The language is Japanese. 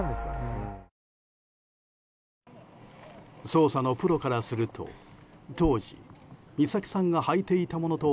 捜査のプロからすると、当時美咲さんが履いていたものと